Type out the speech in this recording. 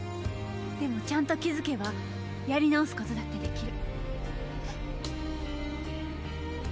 でもちゃんと気づけばやり直すことだってできる。